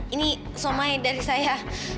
ini somai dari saya